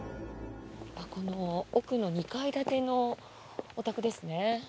この奥の２階建てのお宅ですね。